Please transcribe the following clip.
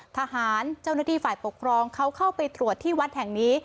ทหารเจ้าหน้าที่ฝ่ายปกครองเขาเข้าไปตรวจที่วัดแห่งนี้